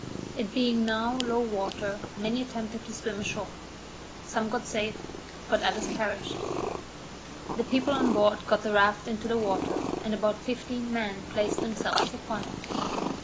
It being now low water, many attempted to swim ashore; some got safe, but others perished. The people on board got the raft into the water, and about fifteen men placed themselves upon it.